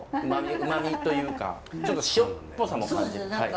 うまみというかちょっと塩っぽさも。